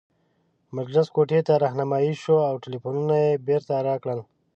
مجلس کوټې ته رهنمايي شوو او ټلفونونه یې بیرته راکړل.